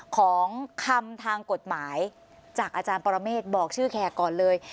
ของคำทางกฎหมายจากอาจารย์ปรเมฆบอกชื่อแขกก่อนเลย